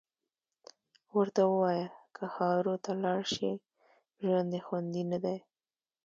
ورته ووایه که هارو ته لاړ شي ژوند یې خوندي ندی